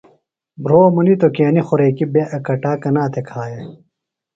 بُھروۡ منِیتوۡ کی ایتیۡ خوریکیۡ بےۡ اکٹا کنا تھےۡ کھایہ ؟